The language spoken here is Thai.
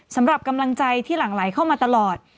สำหรับกำลังใจที่หลั่งไหลเข้ามาตลอด